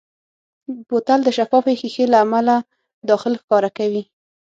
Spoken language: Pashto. بوتل د شفافې ښیښې له امله داخل ښکاره کوي.